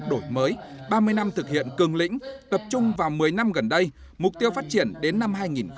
đổi mới ba mươi năm thực hiện cường lĩnh tập trung vào một mươi năm gần đây mục tiêu phát triển đến năm hai nghìn hai mươi